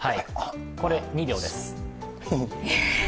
これ、２秒です。